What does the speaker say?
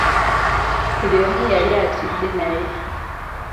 Buli omu yali atidde naye